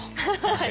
はい。